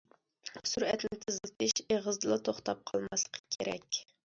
« سۈرئەتنى تېزلىتىش» ئېغىزدىلا توختاپ قالماسلىقى كېرەك.